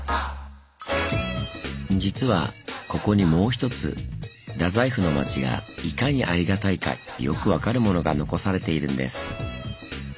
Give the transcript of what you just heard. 実はここにもう一つ太宰府の街がいかにありがたいかよく分かるものが残されているんです。